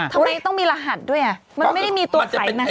ทำไมต้องมีรหัสด้วยอ่ะมันไม่ได้มีตัวไขมัน